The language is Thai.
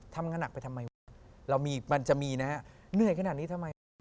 ทำงานหนักไปทำไมวะเรามีมันจะมีนะฮะเหนื่อยขนาดนี้ทำไมวะ